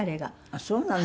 あっそうなの。